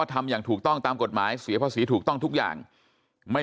ทำอย่างถูกต้องตามกฎหมายเสียภาษีถูกต้องทุกอย่างไม่